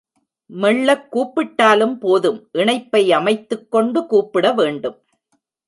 மெள்ளக் கூப்பிட்டாலும் போதும் இணைப்பை அமைத்துக் கொண்டு கூப்பிட வேண்டும்.